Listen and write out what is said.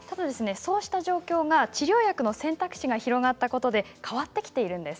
そうした状況が治療薬の選択肢が広がったことで変わってきているんです。